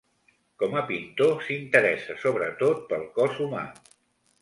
Com a pintor s'interessa sobretot pel cos humà.